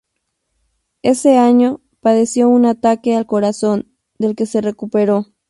Ese año padeció un ataque al corazón, del que se recuperó.